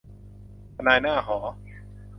ทนายหน้าหอ